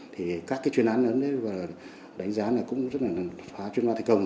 thì các chuyên án đánh giá cũng rất là phá chuyên án thành công